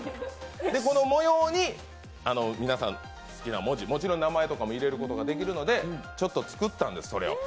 この模様に皆さん、好きな文字、もちろん名前とかも入れるとこができるので、作ったんです、それを。